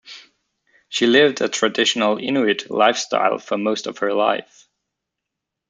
She lived a traditional Inuit lifestyle for most of her life.